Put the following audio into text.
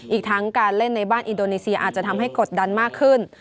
อีกทั้งการเล่นในบ้านอินโดนีเซียอาจจะทำให้กดดันมากขึ้น